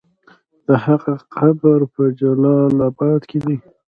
د هغه قبر په جلال اباد کې دی.